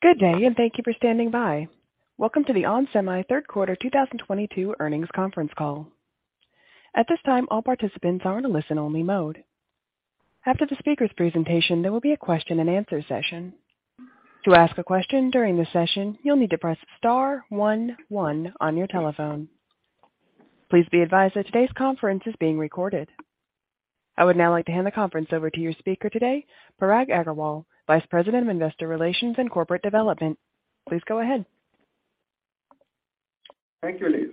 Good day, and thank you for standing by. Welcome to the onsemi third quarter 2022 earnings conference call. At this time, all participants are in a listen-only mode. After the speaker's presentation, there will be a question-and-answer session. To ask a question during the session, you'll need to press star one one on your telephone. Please be advised that today's conference is being recorded. I would now like to hand the conference over to your speaker today, Parag Agarwal, Vice President of Investor Relations and Corporate Development. Please go ahead. Thank you, Liz.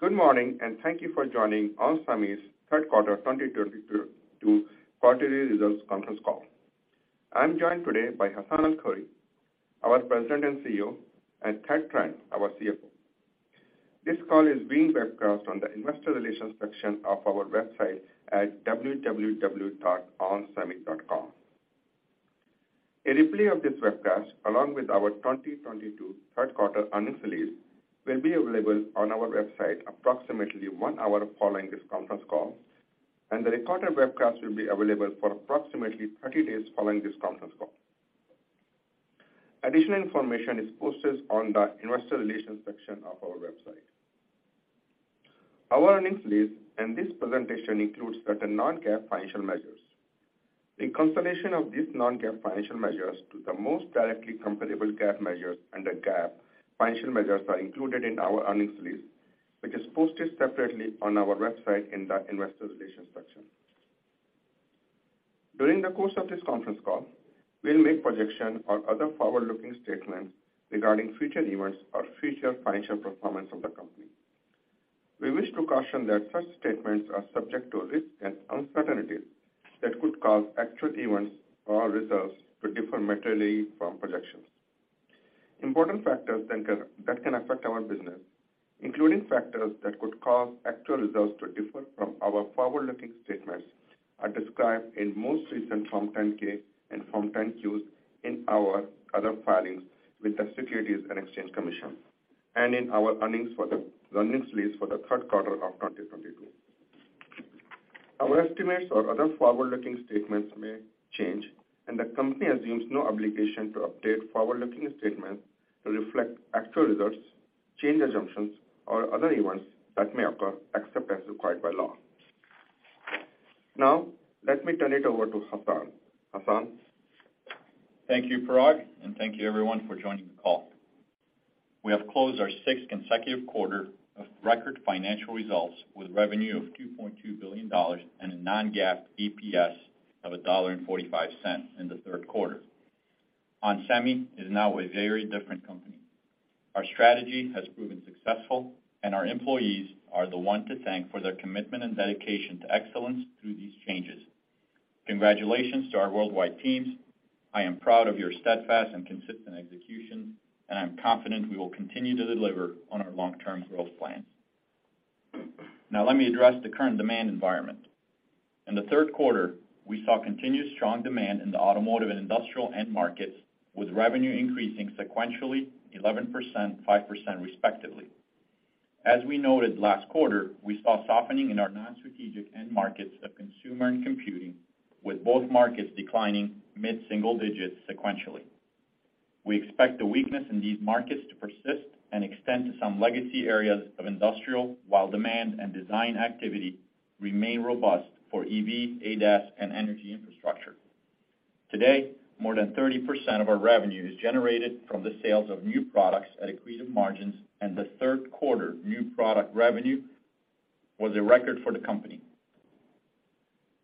Good morning, and thank you for joining onsemi's third quarter 2022 quarterly results conference call. I'm joined today by Hassane El-Khoury, our President and CEO, and Thad Trent, our CFO. This call is being webcast on the investor relations section of our website at www.onsemi.com. A replay of this webcast, along with our 2022 third quarter earnings release, will be available on our website approximately one hour following this conference call, and the recorded webcast will be available for approximately 30 days following this conference call. Additional information is posted on the investor relations section of our website. Our earnings release and this presentation includes certain non-GAAP financial measures. The consolidation of these non-GAAP financial measures to the most directly comparable GAAP measures and the GAAP financial measures are included in our earnings release, which is posted separately on our website in the investor relations section. During the course of this conference call, we'll make projections or other forward-looking statements regarding future events or future financial performance of the company. We wish to caution that such statements are subject to risks and uncertainties that could cause actual events or results to differ materially from projections. Important factors that can affect our business, including factors that could cause actual results to differ from our forward-looking statements, are described in our most recent Form 10-K and Form 10-Qs in our other filings with the Securities and Exchange Commission and in our earnings release for the third quarter of 2022. Our estimates or other forward-looking statements may change, and the company assumes no obligation to update forward-looking statements to reflect actual results, change assumptions, or other events that may occur, except as required by law. Now, let me turn it over to Hassanee. Hassanee? Thank you, Parag, and thank you everyone for joining the call. We have closed our sixth consecutive quarter of record financial results with revenue of $2.2 billion and a non-GAAP EPS of $1.45 in the third quarter. Onsemi is now a very different company. Our strategy has proven successful, and our employees are the one to thank for their commitment and dedication to excellence through these changes. Congratulations to our worldwide teams. I am proud of your steadfast and consistent execution, and I'm confident we will continue to deliver on our long-term growth plans. Now let me address the current demand environment. In the third quarter, we saw continued strong demand in the automotive and industrial end markets, with revenue increasing sequentially 11%, 5% respectively. As we noted last quarter, we saw softening in our non-strategic end markets of consumer and computing, with both markets declining mid-single digits sequentially. We expect the weakness in these markets to persist and extend to some legacy areas of industrial, while demand and design activity remain robust for EV, ADAS, and energy infrastructure. Today, more than 30% of our revenue is generated from the sales of new products at accretive margins, and the third quarter new product revenue was a record for the company.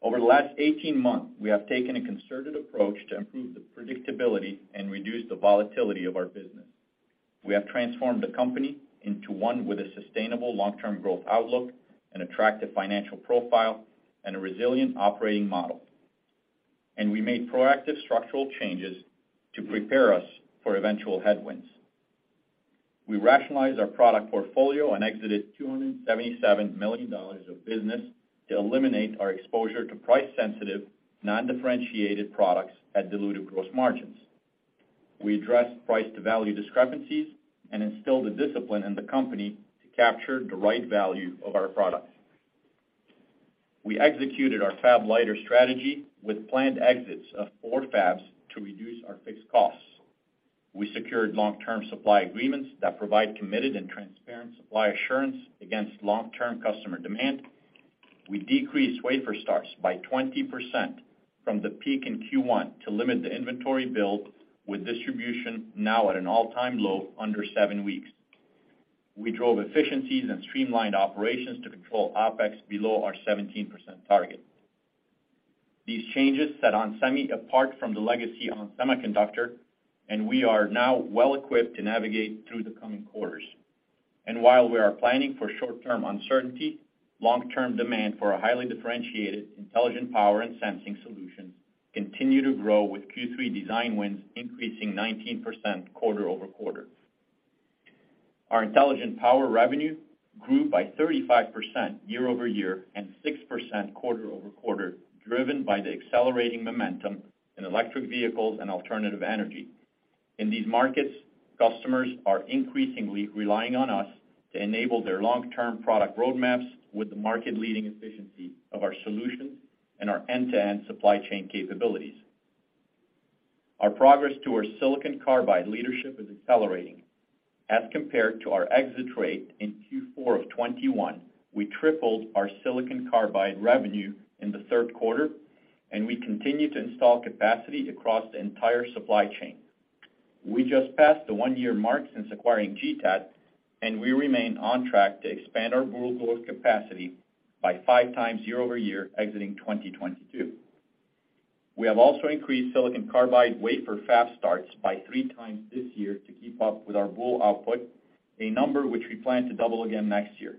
Over the last 18 months, we have taken a concerted approach to improve the predictability and reduce the volatility of our business. We have transformed the company into one with a sustainable long-term growth outlook, an attractive financial profile, and a resilient operating model. We made proactive structural changes to prepare us for eventual headwinds. We rationalized our product portfolio and exited $277 million of business to eliminate our exposure to price-sensitive, non-differentiated products at dilutive gross margins. We addressed price-to-value discrepancies and instilled the discipline in the company to capture the right value of our products. We executed our fab-liter strategy with planned exits of four fabs to reduce our fixed costs. We secured long-term supply agreements that provide committed and transparent supply assurance against long-term customer demand. We decreased wafer starts by 20% from the peak in Q1 to limit the inventory build, with distribution now at an all-time low, under seven weeks. We drove efficiencies and streamlined operations to control OpEx below our 17% target. These changes set onsemi apart from the legacy ON Semiconductor, and we are now well-equipped to navigate through the coming quarters. While we are planning for short-term uncertainty, long-term demand for our highly differentiated Intelligent Power and Sensing solutions continue to grow, with Q3 design wins increasing 19% quarter-over-quarter. Our Intelligent Power revenue grew by 35% year-over-year and 6% quarter-over-quarter, driven by the accelerating momentum in electric vehicles and alternative energy. In these markets, customers are increasingly relying on us to enable their long-term product road maps with the market leading efficiency of our solutions and our end-to-end supply chain capabilities. Our progress to our silicon carbide leadership is accelerating. As compared to our exit rate in Q4 of 2021, we tripled our silicon carbide revenue in the third quarter, and we continue to install capacity across the entire supply chain. We just passed the one-year mark since acquiring GTAT, and we remain on track to expand our Boule capacity by five times year-over-year exiting 2022. We have also increased silicon carbide wafer fab starts by 3x this year to keep up with our Boule output, a number which we plan to double again next year.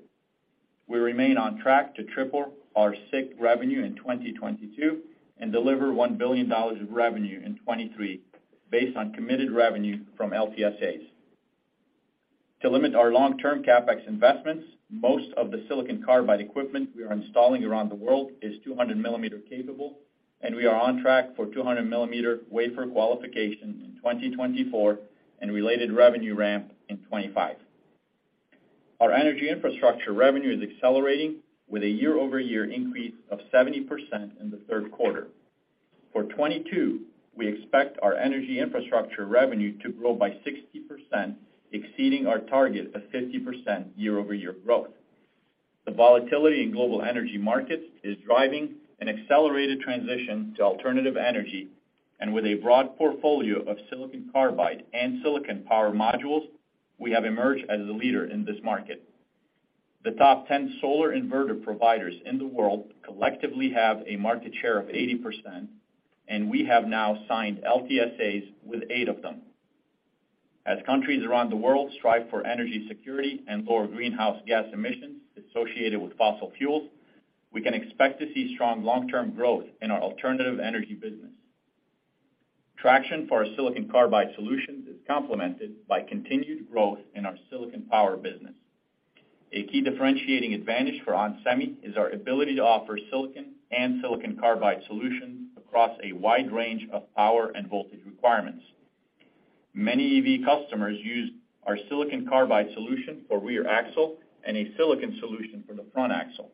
We remain on track to triple our SiC revenue in 2022 and deliver $1 billion of revenue in 2023 based on committed revenue from LTSAs. To limit our long-term CapEx investments, most of the silicon carbide equipment we are installing around the world is 200-mm capable, and we are on track for 200-mm wafer qualification in 2024 and related revenue ramp in 2025. Our energy infrastructure revenue is accelerating with a year-over-year increase of 70% in the third quarter. For 2022, we expect our energy infrastructure revenue to grow by 60%, exceeding our target of 50% year-over-year growth. The volatility in global energy markets is driving an accelerated transition to alternative energy, and with a broad portfolio of silicon carbide and silicon power modules, we have emerged as a leader in this market. The top 10 solar inverter providers in the world collectively have a market share of 80%, and we have now signed LTSAs with eight of them. As countries around the world strive for energy security and lower greenhouse gas emissions associated with fossil fuels, we can expect to see strong long-term growth in our alternative energy business. Traction for our silicon carbide solutions is complemented by continued growth in our silicon power business. A key differentiating advantage for onsemi is our ability to offer silicon and silicon carbide solutions across a wide range of power and voltage requirements. Many EV customers use our silicon carbide solution for rear axle and a silicon solution for the front axle.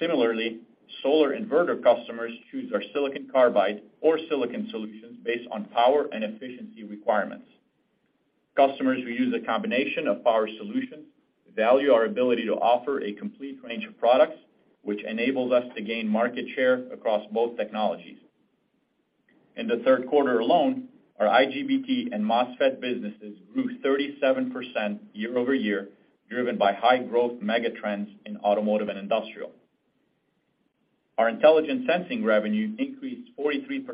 Similarly, solar inverter customers choose our silicon carbide or silicon solutions based on power and efficiency requirements. Customers who use a combination of power solutions value our ability to offer a complete range of products, which enables us to gain market share across both technologies. In the third quarter alone, our IGBT and MOSFET businesses grew 37% year-over-year, driven by high growth mega trends in automotive and industrial. Our intelligent sensing revenue increased 43%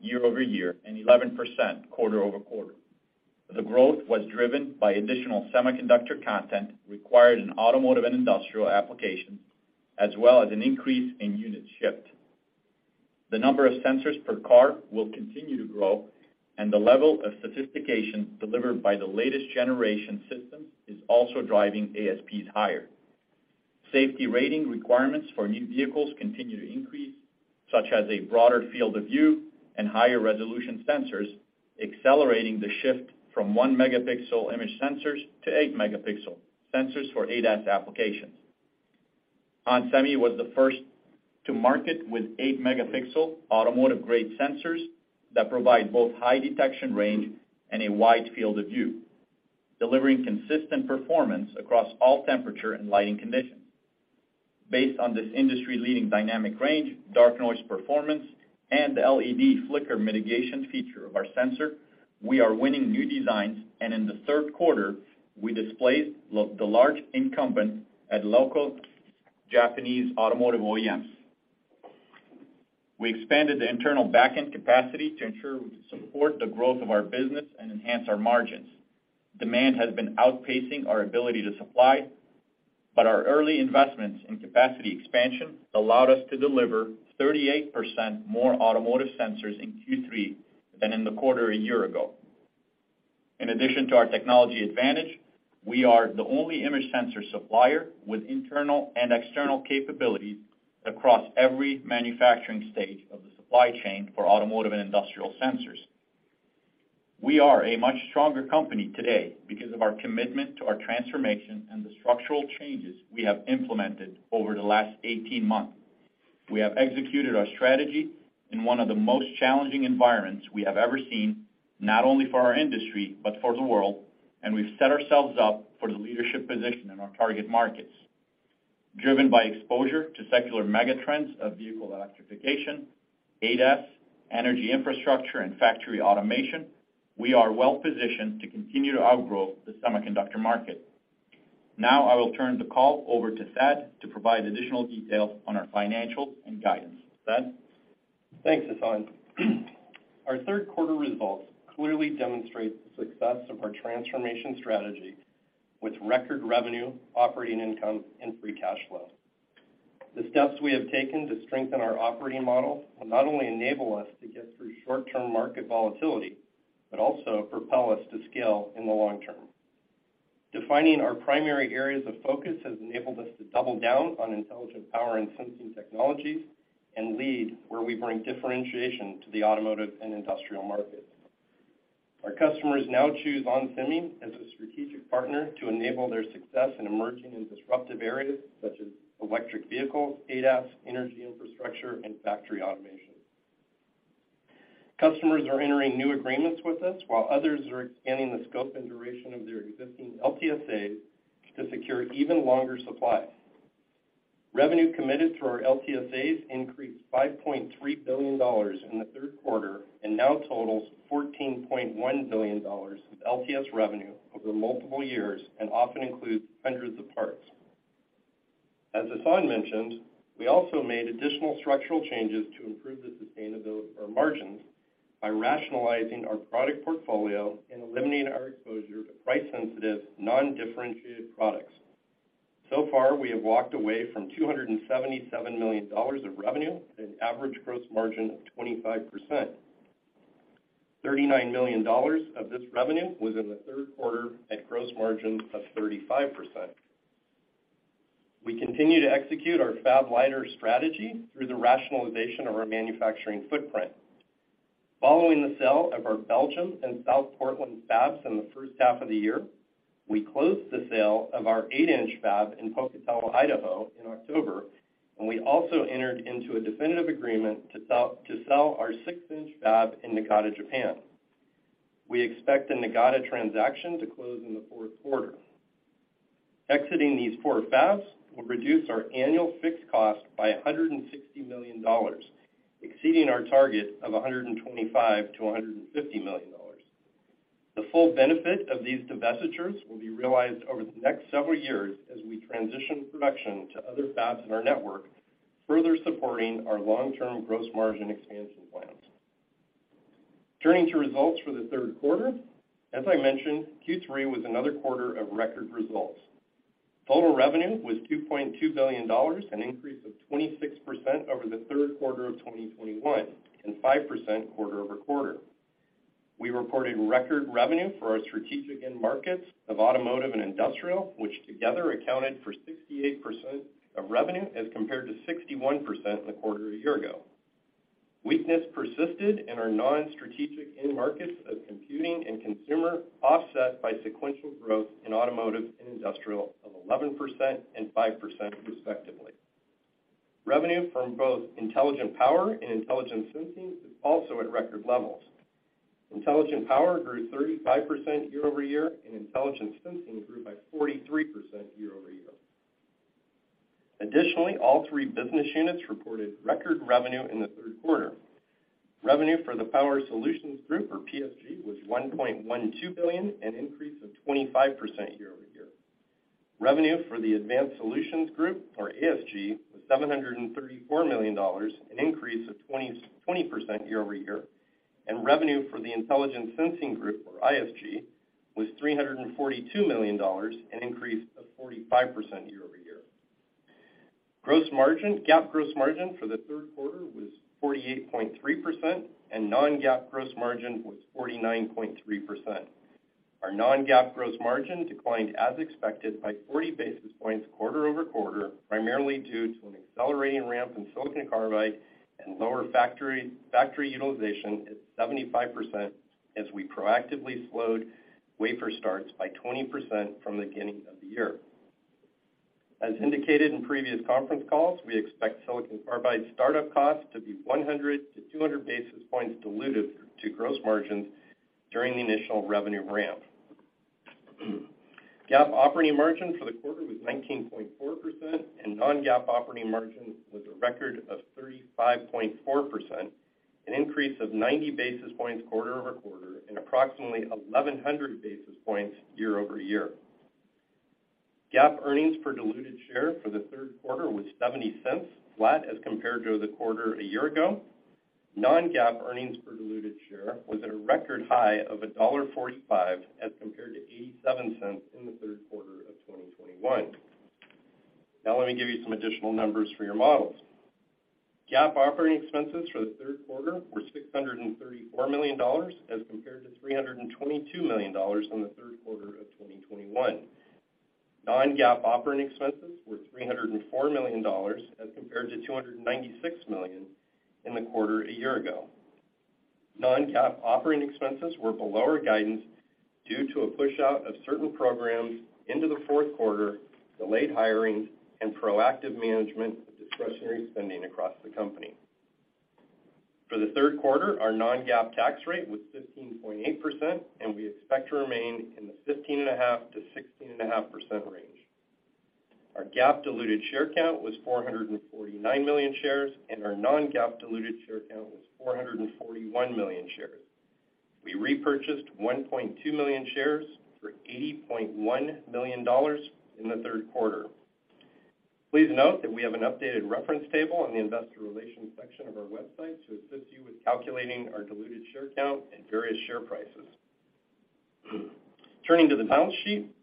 year-over-year and 11% quarter-over-quarter. The growth was driven by additional semiconductor content required in automotive and industrial applications, as well as an increase in units shipped. The number of sensors per car will continue to grow and the level of sophistication delivered by the latest generation systems is also driving ASPs higher. Safety rating requirements for new vehicles continue to increase, such as a broader field of view and higher resolution sensors, accelerating the shift from 1-megapixel image sensors to 8-megapixel sensors for ADAS applications. onsemi was the first to market with 8-megapixel automotive-grade sensors that provide both high detection range and a wide field of view, delivering consistent performance across all temperature and lighting conditions. Based on this industry-leading dynamic range, dark noise performance, and the LED flicker mitigation feature of our sensor, we are winning new designs, and in the third quarter, we displaced the large incumbent at local Japanese automotive OEMs. We expanded the internal back-end capacity to ensure we support the growth of our business and enhance our margins. Demand has been outpacing our ability to supply, but our early investments in capacity expansion allowed us to deliver 38% more automotive sensors in Q3 than in the quarter a year ago. In addition to our technology advantage, we are the only image sensor supplier with internal and external capabilities across every manufacturing stage of the supply chain for automotive and industrial sensors. We are a much stronger company today because of our commitment to our transformation and the structural changes we have implemented over the last 18 months. We have executed our strategy in one of the most challenging environments we have ever seen, not only for our industry, but for the world, and we've set ourselves up for the leadership position in our target markets. Driven by exposure to secular mega trends of vehicle electrification, ADAS, energy infrastructure, and factory automation, we are well positioned to continue to outgrow the semiconductor market. Now I will turn the call over to Thad to provide additional details on our financials and guidance. Thad? Thanks, Hassane. Our third quarter results clearly demonstrate the success of our transformation strategy with record revenue, operating income, and free cash flow. The steps we have taken to strengthen our operating model will not only enable us to get through short-term market volatility, but also propel us to scale in the long term. Defining our primary areas of focus has enabled us to double down on Intelligent Power and Sensing technologies and lead where we bring differentiation to the automotive and industrial markets. Our customers now choose ON Semiconductor as a strategic partner to enable their success in emerging and disruptive areas such as electric vehicles, ADAS, energy infrastructure, and factory automation. Customers are entering new agreements with us, while others are expanding the scope and duration of their existing LTSAs to secure even longer supplies. Revenue committed through our LTSAs increased $5.3 billion in the third quarter and now totals $14.1 billion of LTS revenue over multiple years and often includes hundreds of parts. As Hassane mentioned, we also made additional structural changes to improve the sustainability of our margins by rationalizing our product portfolio and eliminating our exposure to price-sensitive, non-differentiated products. So far, we have walked away from $277 million of revenue at an average gross margin of 25%. $39 million of this revenue was in the third quarter at gross margin of 35%. We continue to execute our fab-lighter strategy through the rationalization of our manufacturing footprint. Following the sale of our Belgium and South Portland fabs in the first half of the year, we closed the sale of our 8-inch fab in Pocatello, Idaho, in October, and we also entered into a definitive agreement to sell our 6-inch fab in Niigata, Japan. We expect the Niigata transaction to close in the fourth quarter. Exiting these four fabs will reduce our annual fixed cost by $160 million, exceeding our target of $125 million-$150 million. The full benefit of these divestitures will be realized over the next several years as we transition production to other fabs in our network, further supporting our long-term gross margin expansion plans. Turning to results for the third quarter. As I mentioned, Q3 was another quarter of record results. Total revenue was $2.2 billion, an increase of 26% over the third quarter of 2021, and 5% quarter-over-quarter. We reported record revenue for our strategic end markets of automotive and industrial, which together accounted for 68% of revenue as compared to 61% in the quarter a year ago. Weakness persisted in our non-strategic end markets of computing and consumer, offset by sequential growth in automotive and industrial of 11% and 5% respectively. Revenue from both Intelligent Power and Intelligent Sensing is also at record levels. Intelligent Power grew 35% year-over-year, and Intelligent Sensing grew by 43% year-over-year. Additionally, all three business units reported record revenue in the third quarter. Revenue for the Power Solutions Group, or PSG, was $1.12 billion, an increase of 25% year-over-year. Revenue for the Advanced Solutions Group, or ASG, was $734 million, an increase of 20% year-over-year. Revenue for the Intelligent Sensing Group, or ISG, was $342 million, an increase of 45% year-over-year. Gross margin, GAAP gross margin for the third quarter was 48.3%, and non-GAAP gross margin was 49.3%. Our non-GAAP gross margin declined as expected by 40 basis points quarter-over-quarter, primarily due to an accelerating ramp in silicon carbide and lower factory utilization at 75% as we proactively slowed wafer starts by 20% from the beginning of the year. As indicated in previous conference calls, we expect silicon carbide startup costs to be 100-200 basis points dilutive to gross margins during the initial revenue ramp. GAAP operating margin for the quarter was 19.4%, and non-GAAP operating margin was a record of 35.4%, an increase of 90 basis points quarter-over-quarter and approximately 1,100 basis points year-over-year. GAAP earnings per diluted share for the third quarter was $0.70, flat as compared to the quarter a year ago. Non-GAAP earnings per diluted share was at a record high of $1.45 as compared to $0.87 in the third quarter of 2021. Now, let me give you some additional numbers for your models. GAAP operating expenses for the third quarter were $634 million as compared to $322 million in the third quarter of 2021. Non-GAAP operating expenses were $304 million as compared to $296 million in the quarter a year ago. Non-GAAP operating expenses were below our guidance due to a pushout of certain programs into the fourth quarter, delayed hiring, and proactive management of discretionary spending across the company. For the third quarter, our non-GAAP tax rate was 15.8%, and we expect to remain in the 15.5%-16.5% range. Our GAAP diluted share count was 449 million shares, and our non-GAAP diluted share count was 441 million shares. We repurchased 1.2 million shares for $80.1 million in the third quarter. Please note that we have an updated reference table in the investor relations section of our website to assist you with calculating our diluted share count at various share prices. Turning to the balance sheet,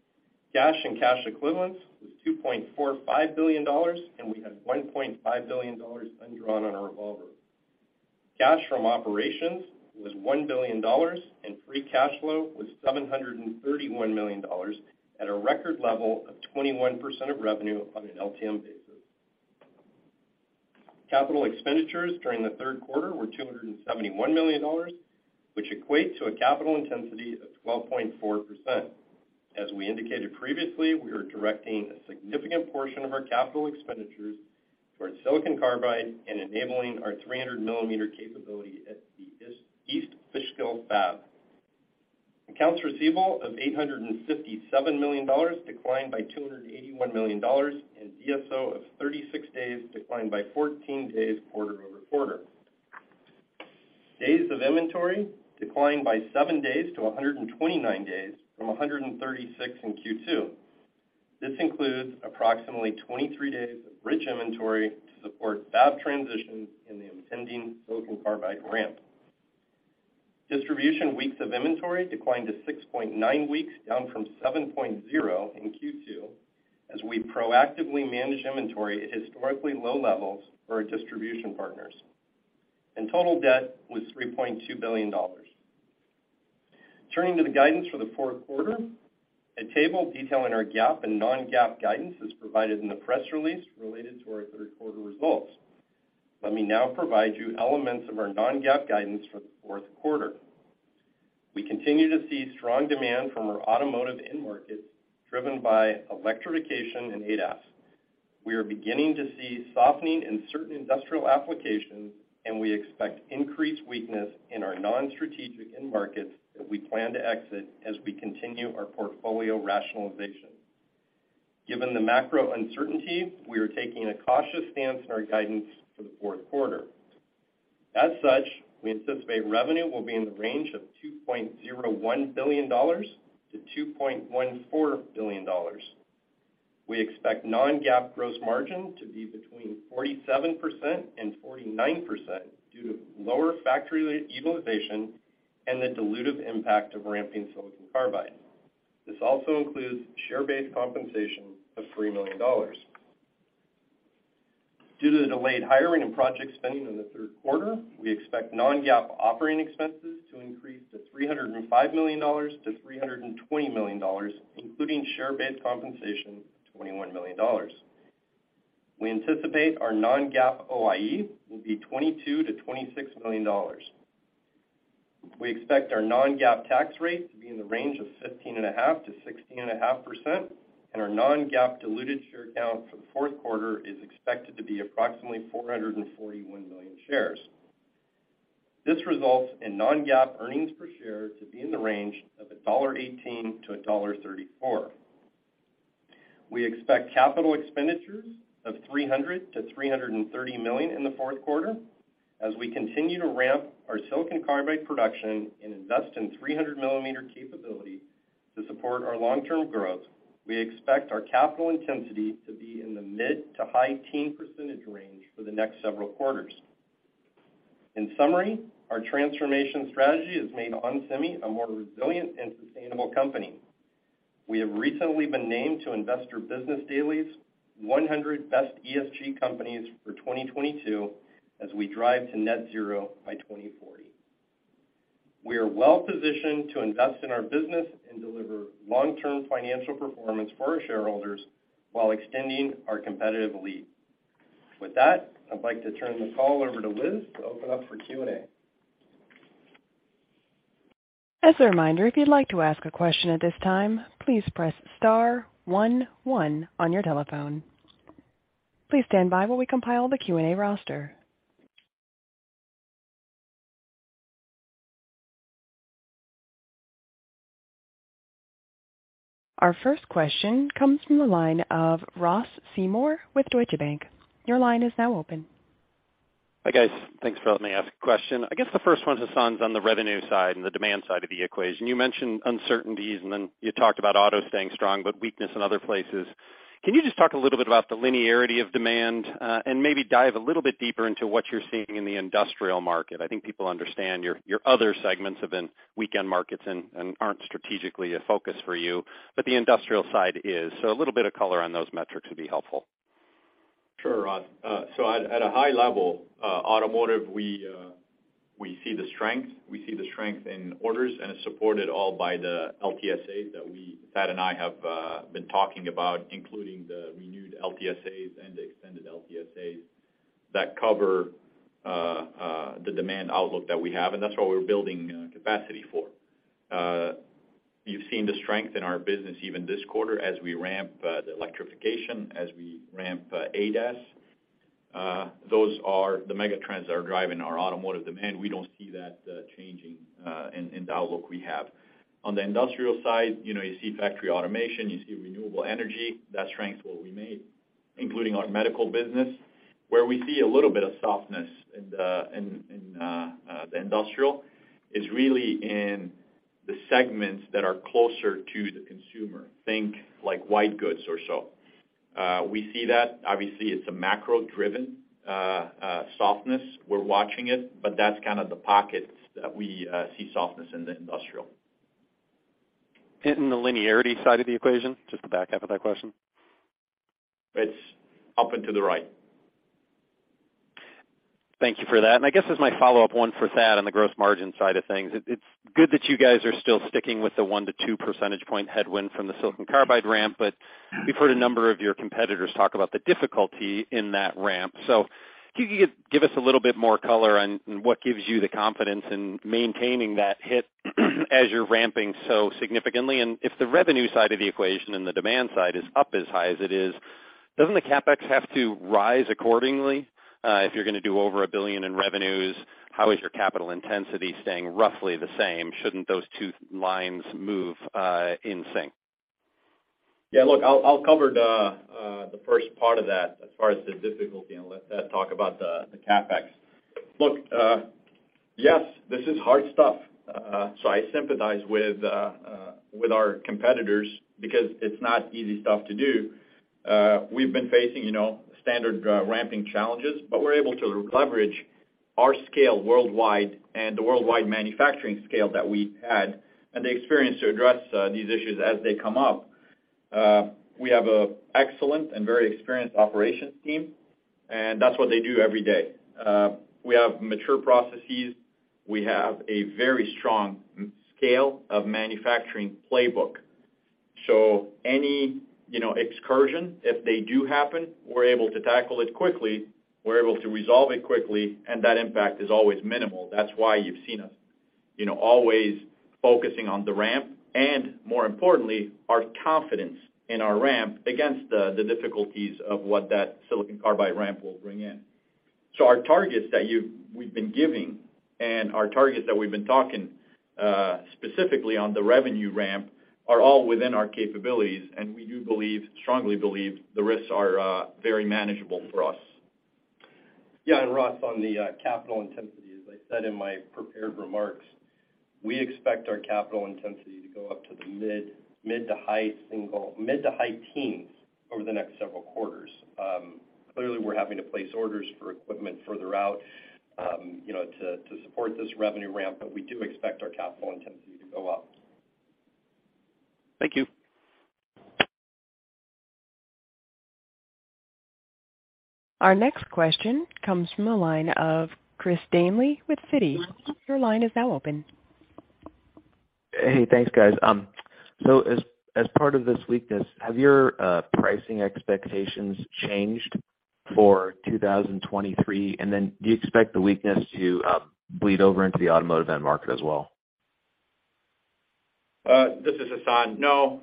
cash and cash equivalents was $2.45 billion, and we had $1.5 billion undrawn on our revolver. Cash from operations was $1 billion and free cash flow was $731 million at a record level of 21% of revenue on an LTM basis. Capital expenditures during the third quarter were $271 million, which equates to a capital intensity of 12.4%. We are directing a significant portion of our capital expenditures towards silicon carbide and enabling our 300 millimeter capability at the East Fishkill fab. Accounts receivable of $857 million declined by $281 million, and DSO of 36 days declined by 14 days quarter over quarter. Days of inventory declined by 7 days to 129 days from 136 in Q2. This includes approximately 23 days of bridge inventory to support fab transition in the impending silicon carbide ramp. Distribution weeks of inventory declined to 6.9 weeks, down from 7.0 in Q2, as we proactively manage inventory at historically low levels for our distribution partners. Total debt was $3.2 billion. Turning to the guidance for the fourth quarter, a table detailing our GAAP and non-GAAP guidance is provided in the press release related to our third quarter results. Let me now provide you elements of our non-GAAP guidance for the fourth quarter. We continue to see strong demand from our automotive end markets driven by electrification and ADAS. We are beginning to see softening in certain industrial applications, and we expect increased weakness in our non-strategic end markets that we plan to exit as we continue our portfolio rationalization. Given the macro uncertainty, we are taking a cautious stance in our guidance for the fourth quarter. As such, we anticipate revenue will be in the range of $2.01 billion-$2.14 billion. We expect non-GAAP gross margin to be between 47%-49% due to lower factory utilization and the dilutive impact of ramping silicon carbide. This also includes share-based compensation of $3 million. Due to the delayed hiring and project spending in the third quarter, we expect non-GAAP operating expenses to increase to $305 million-$320 million, including share-based compensation of $21 million. We anticipate our non-GAAP OIE will be $22 million-$26 million. We expect our non-GAAP tax rate to be in the range of 15.5%-16.5%, and our non-GAAP diluted share count for the fourth quarter is expected to be approximately 441 million shares. This results in non-GAAP earnings per share to be in the range of $1.18-$1.34. We expect capital expenditures of $300 million-$330 million in the fourth quarter. As we continue to ramp our silicon carbide production and invest in 300-millimeter capability to support our long-term growth, we expect our capital intensity to be in the mid- to high-teens % range for the next several quarters. In summary, our transformation strategy has made onsemi a more resilient and sustainable company. We have recently been named to Investor's Business Daily's 100 Best ESG Companies for 2022 as we drive to net zero by 2040. We are well positioned to invest in our business and deliver long-term financial performance for our shareholders while extending our competitive lead. With that, I'd like to turn the call over to Liz to open up for Q&A. As a reminder, if you'd like to ask a question at this time, please press star one one on your telephone. Please stand by while we compile the Q&A roster. Our first question comes from the line of Ross Seymore with Deutsche Bank. Your line is now open. Hi, guys. Thanks for letting me ask a question. I guess the first one's assigned on the revenue side and the demand side of the equation. You mentioned uncertainties, and then you talked about auto staying strong, but weakness in other places. Can you just talk a little bit about the linearity of demand, and maybe dive a little bit deeper into what you're seeing in the industrial market? I think people understand your other segments have been weakened markets and aren't strategically a focus for you, but the industrial side is. A little bit of color on those metrics would be helpful. Sure, Ross. At a high level, automotive, we see the strength. We see the strength in orders, and it's supported all by the LTSAs that Thad and I have been talking about, including the renewed LTSAs and the extended LTSAs that cover the demand outlook that we have, and that's what we're building capacity for. You've seen the strength in our business even this quarter as we ramp the electrification, as we ramp ADAS. Those are the megatrends that are driving our automotive demand. We don't see that changing in the outlook we have. On the industrial side, you know, you see factory automation, you see renewable energy. That strength will remain, including our medical business. Where we see a little bit of softness in the industrial is really in the segments that are closer to the consumer. Think like white goods or so. We see that. Obviously, it's a macro-driven softness. We're watching it, but that's kind of the pockets that we see softness in the industrial. In the linearity side of the equation, just the back half of that question. It's up and to the right. Thank you for that. I guess as my follow-up one for Thad on the gross margin side of things. It's good that you guys are still sticking with the 1-2 percentage point headwind from the silicon carbide ramp, but. Mm-hmm. We've heard a number of your competitors talk about the difficulty in that ramp. Could you give us a little bit more color on what gives you the confidence in maintaining that hit as you're ramping so significantly? If the revenue side of the equation and the demand side is up as high as it is, doesn't the CapEx have to rise accordingly, if you're gonna do over $1 billion in revenues, how is your capital intensity staying roughly the same? Shouldn't those two lines move in sync? Yeah. Look, I'll cover the first part of that as far as the difficulty, and let Thad talk about the CapEx. Look, yes, this is hard stuff. I sympathize with our competitors because it's not easy stuff to do. We've been facing, you know, standard ramping challenges, but we're able to leverage our scale worldwide and the worldwide manufacturing scale that we had and the experience to address these issues as they come up. We have an excellent and very experienced operations team, and that's what they do every day. We have mature processes. We have a very strong scale of manufacturing playbook. Any, you know, excursion, if they do happen, we're able to tackle it quickly, we're able to resolve it quickly, and that impact is always minimal. That's why you've seen us, you know, always focusing on the ramp and more importantly, our confidence in our ramp against the difficulties of what that silicon carbide ramp will bring in. Our targets that we've been giving and our targets that we've been talking specifically on the revenue ramp are all within our capabilities, and we do believe, strongly believe the risks are very manageable for us. Yeah. Ross, on the capital intensity, as I said in my prepared remarks, we expect our capital intensity to go up to the mid- to high teens over the next several quarters. Clearly, we're having to place orders for equipment further out, you know, to support this revenue ramp, but we do expect our capital intensity to go up. Thank you. Our next question comes from the line of Chris Danely with Citi. Your line is now open. Hey, thanks, guys. As part of this weakness, have your pricing expectations changed for 2023? Do you expect the weakness to bleed over into the automotive end market as well? This is Hassane. No,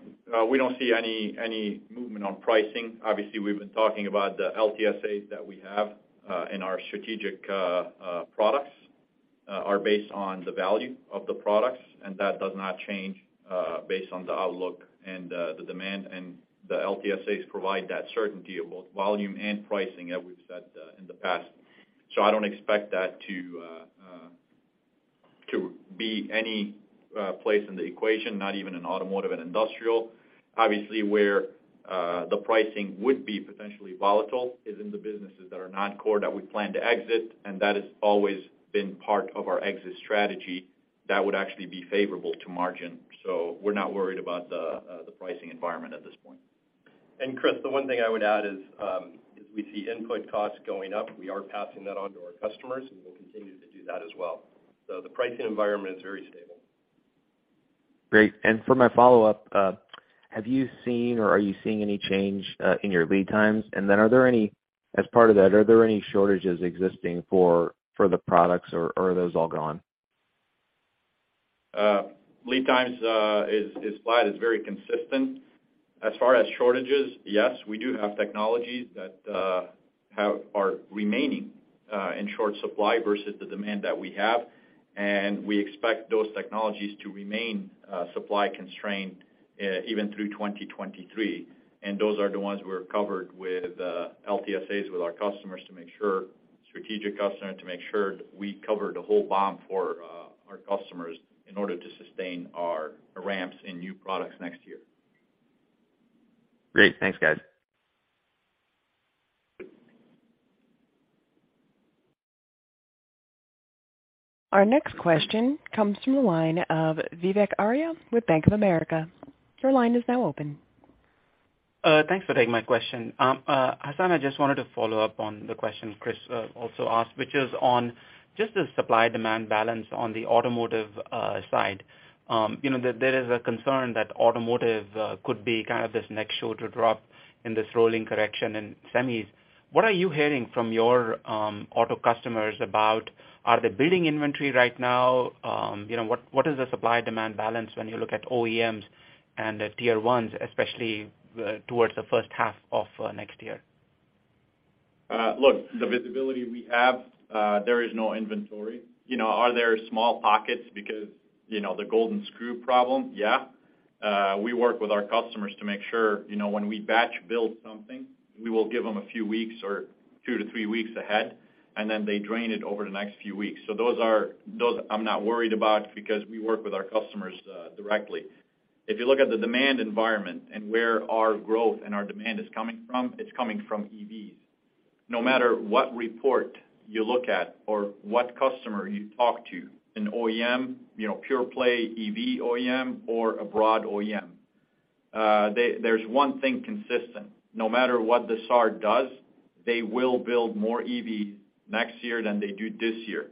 we don't see any movement on pricing. Obviously, we've been talking about the LTSAs that we have in our strategic products are based on the value of the products, and that does not change based on the outlook and the demand. The LTSAs provide that certainty of both volume and pricing, as we've said in the past. I don't expect that to be any place in the equation, not even in automotive and industrial. Obviously, where the pricing would be potentially volatile is in the businesses that are non-core that we plan to exit, and that has always been part of our exit strategy that would actually be favorable to margin. We're not worried about the pricing environment at this point. Chris, the one thing I would add is, as we see input costs going up, we are passing that on to our customers, and we'll continue to do that as well. The pricing environment is very stable. Great. For my follow-up, have you seen or are you seeing any change in your lead times? As part of that, are there any shortages existing for the products, or are those all gone? Lead times is flat, very consistent. As far as shortages, yes, we do have technologies that are remaining in short supply versus the demand that we have, and we expect those technologies to remain supply constrained even through 2023. Those are the ones we're covered with LTSAs with our customers to make sure we cover the whole BOM for our customers in order to sustain our ramps in new products next year. Great. Thanks, guys. Our next question comes from the line of Vivek Arya with Bank of America. Your line is now open. Thanks for taking my question. Hassane, I just wanted to follow up on the question Chris also asked, which is on just the supply-demand balance on the automotive side. You know, there is a concern that automotive could be kind of this next shoe to drop in this rolling correction in semis. What are you hearing from your auto customers about are they building inventory right now? You know, what is the supply-demand balance when you look at OEMs and the Tier 1s, especially towards the first half of next year? Look, the visibility we have, there is no inventory. You know, are there small pockets because, you know, the golden screw problem? Yeah. We work with our customers to make sure, you know, when we batch build something, we will give them a few weeks or 2-3 weeks ahead, and then they drain it over the next few weeks. So those I'm not worried about because we work with our customers directly. If you look at the demand environment and where our growth and our demand is coming from, it's coming from EVs. No matter what report you look at or what customer you talk to, an OEM, you know, pure play EV OEM or a broad OEM, they, there's one thing consistent. No matter what the SAAR does, they will build more EVs next year than they do this year.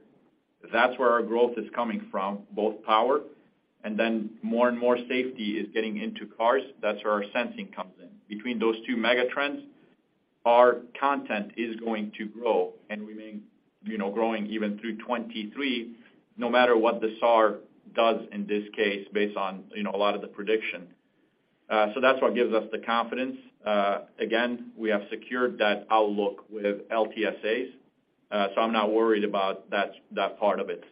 That's where our growth is coming from, both power, and then more and more safety is getting into cars. That's where our sensing comes in. Between those two mega trends, our content is going to grow and remain, you know, growing even through 2023, no matter what the SAAR does in this case, based on, you know, a lot of the prediction. That's what gives us the confidence. Again, we have secured that outlook with LTSAs, so I'm not worried about that part of it.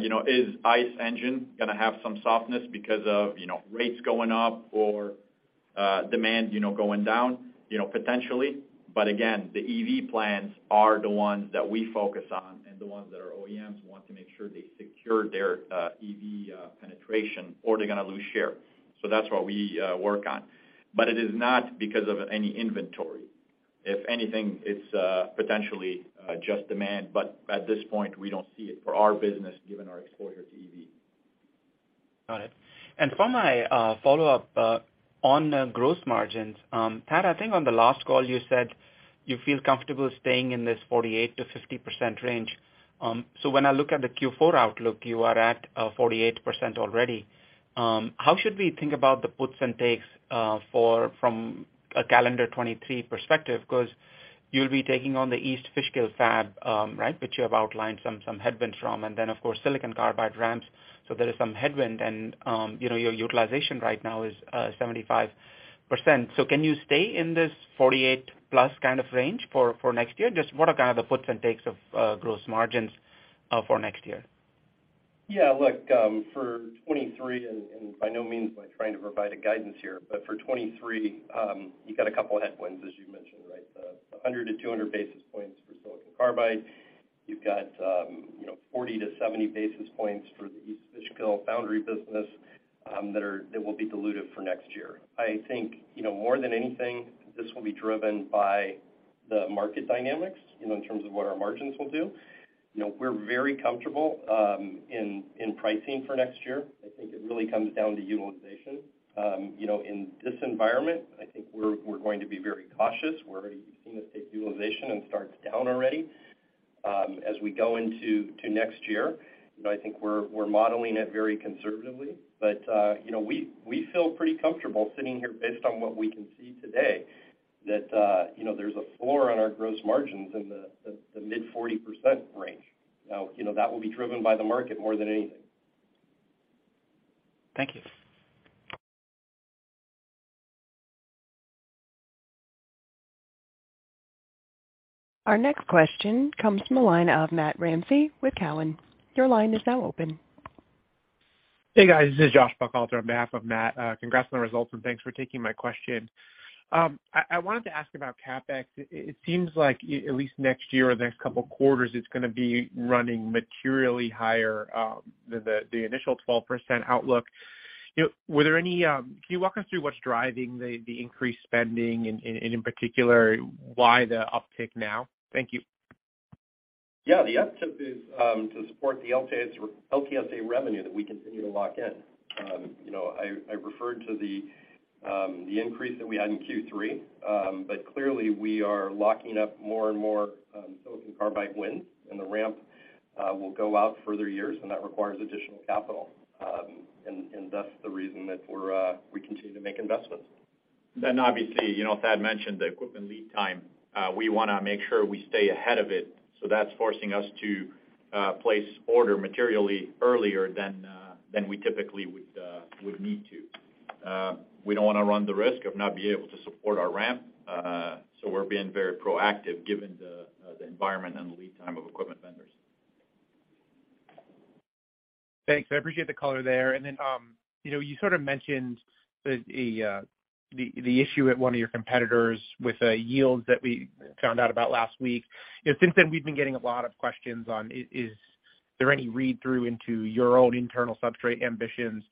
You know, is ICE engine gonna have some softness because of, you know, rates going up or, demand, you know, going down? You know, potentially. Again, the EV plans are the ones that we focus on and the ones that our OEMs want to make sure they secure their EV penetration or they're gonna lose share. That's what we work on. It is not because of any inventory. If anything, it's potentially just demand. At this point, we don't see it for our business given our exposure to EV. Got it. For my follow-up on the gross margins, Thad, I think on the last call you said you feel comfortable staying in this 48%-50% range. When I look at the Q4 outlook, you are at 48% already. How should we think about the puts and takes from a calendar 2023 perspective? 'Cause you'll be taking on the East Fishkill fab, right, which you have outlined some headwinds from, and then of course, silicon carbide ramps. There is some headwind and, you know, your utilization right now is 75%. Can you stay in this 48%+ kind of range for next year? Just what are kind of the puts and takes of gross margins for next year? Yeah. Look, for 2023, and by no means am I trying to provide a guidance here, but for 2023, you got a couple headwinds, as you mentioned, right? The 100-200 basis points for silicon carbide. You've got, you know, 40-70 basis points for the East Fishkill foundry business, that will be dilutive for next year. I think, you know, more than anything, this will be driven by the market dynamics, you know, in terms of what our margins will do. You know, we're very comfortable in pricing for next year. I think it really comes down to utilization. You know, in this environment, I think we're going to be very cautious. We're already seeing the steady-state utilization and starts down already. As we go into next year, you know, I think we're modeling it very conservatively, but you know, we feel pretty comfortable sitting here based on what we can see today that you know, there's a floor on our gross margins in the mid-40% range. Now, you know, that will be driven by the market more than anything. Thank you. Our next question comes from the line of Matt Ramsay with Cowen. Your line is now open. Hey, guys. This is Joshua Buchalter on behalf of Matt. Congrats on the results, and thanks for taking my question. I wanted to ask about CapEx. It seems like at least next year or the next couple quarters it's gonna be running materially higher than the initial 12% outlook. You know, can you walk us through what's driving the increased spending and, in particular, why the uptick now? Thank you. Yeah. The uptick is to support the LTSA revenue that we continue to lock in. You know, I referred to the increase that we had in Q3, but clearly we are locking up more and more silicon carbide wins, and the ramp will go out further years, and that requires additional capital. And that's the reason that we continue to make investments. Obviously, you know, Thad mentioned the equipment lead time. We wanna make sure we stay ahead of it, so that's forcing us to place order materially earlier than we typically would need to. We don't wanna run the risk of not being able to support our ramp, so we're being very proactive given the environment and the lead time of equipment vendors. Thanks. I appreciate the color there. You know, you sort of mentioned the issue at one of your competitors with the yields that we found out about last week. You know, since then we've been getting a lot of questions on is there any read-through into your own internal substrate ambitions?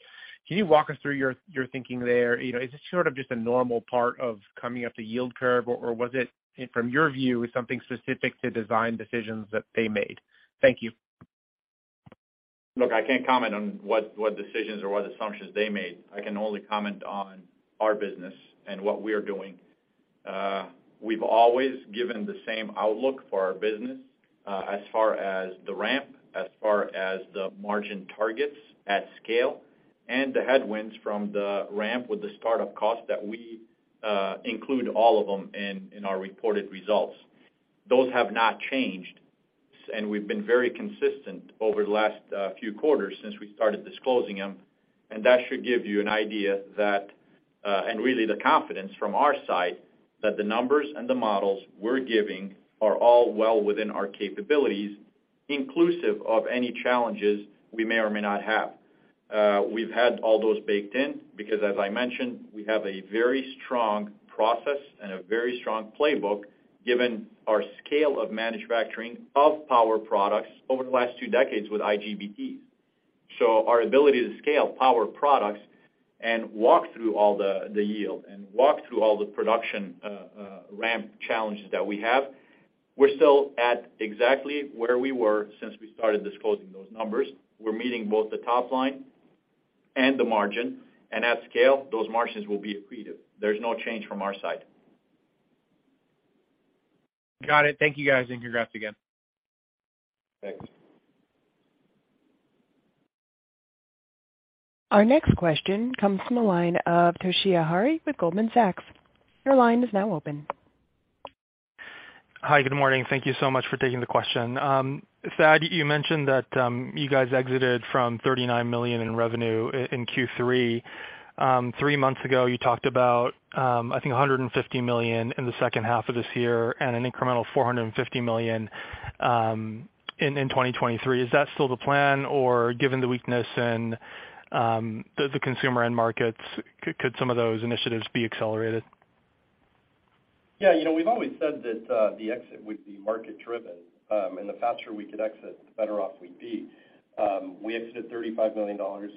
Can you walk us through your thinking there? You know, is this sort of just a normal part of coming up the yield curve, or was it, from your view, something specific to design decisions that they made? Thank you. Look, I can't comment on what decisions or what assumptions they made. I can only comment on our business and what we're doing. We've always given the same outlook for our business, as far as the ramp, as far as the margin targets at scale, and the headwinds from the ramp with the startup cost that we include all of them in our reported results. Those have not changed, and we've been very consistent over the last few quarters since we started disclosing them. That should give you an idea that, and really the confidence from our side, that the numbers and the models we're giving are all well within our capabilities, inclusive of any challenges we may or may not have. We've had all those baked in because, as I mentioned, we have a very strong process and a very strong playbook given our scale of manufacturing of power products over the last two decades with IGBTs. Our ability to scale power products and walk through all the yield and production ramp challenges that we have, we're still at exactly where we were since we started disclosing those numbers. We're meeting both the top line and the margin, and at scale, those margins will be accretive. There's no change from our side. Got it. Thank you, guys, and congrats again. Thanks. Our next question comes from the line of Toshiya Hari with Goldman Sachs. Your line is now open. Hi. Good morning. Thank you so much for taking the question. Thad, you mentioned that you guys exited from $39 million in revenue in Q3. Three months ago, you talked about, I think $150 million in the second half of this year and an incremental $450 million in 2023. Is that still the plan, or given the weakness in the consumer end markets, could some of those initiatives be accelerated? Yeah. You know, we've always said that, the exit would be market-driven, and the faster we could exit, the better off we'd be. We exited $35 million, as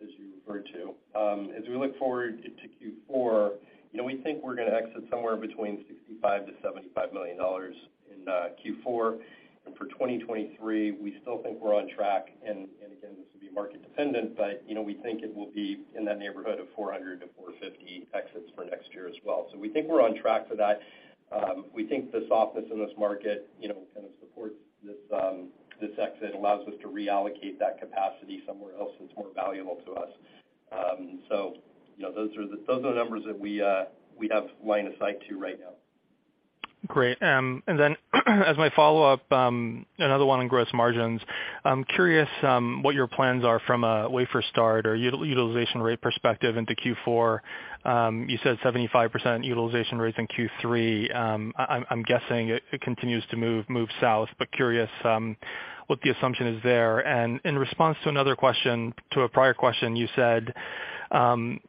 you referred to. As we look forward to Q4, you know, we think we're gonna exit somewhere between $65 million-$75 million in Q4. For 2023, we still think we're on track, and again, this will be market dependent, but, you know, we think it will be in that neighborhood of $400-$450 exits for next year as well. We think we're on track for that. We think the softness in this market, you know, kind of supports this exit, allows us to reallocate that capacity somewhere else that's more valuable to us. You know, those are the numbers that we have line of sight to right now. Great. And then as my follow-up, another one on gross margins. I'm curious what your plans are from a wafer start or utilization rate perspective into Q4. You said 75% utilization rates in Q3. I'm guessing it continues to move south, but curious what the assumption is there. In response to another question, to a prior question, you said